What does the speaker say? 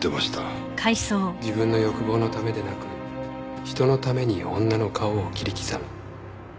自分の欲望のためでなく人のために女の顔を切り刻む。